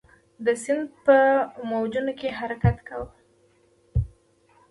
د سیند په موجونو کې حرکت کاوه.